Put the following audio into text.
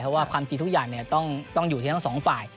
เพราะว่าความจริงทุกอย่างต้องอยู่ที่ทั้งสองฝ่าย